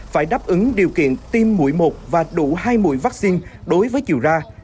phải đáp ứng điều kiện tiêm mũi một và đủ hai mũi vaccine đối với chiều ra